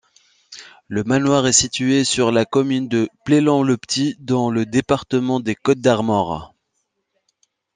Le manoir est situé sur la commune de Plélan-le-Petit, dans le département des Côtes-d'Armor.